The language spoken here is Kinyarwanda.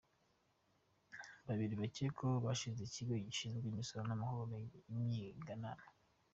Babiri bakekwaho kashi zikigo gishinzwe imisoro namahoro z’inyiganano